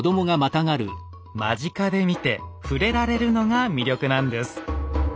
間近で見て触れられるのが魅力なんです。